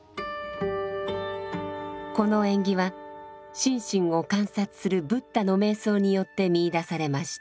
この縁起は心身を観察するブッダの瞑想によって見いだされました。